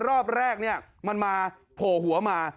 รอบแรกมันมาโผล่หัวมา